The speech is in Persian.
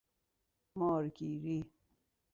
مار گیری